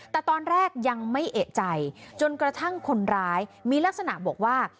แต่ตอนแรกยังไม่เอกใจจนกระทั่งคนร้ายมีลักษณะบอกว่า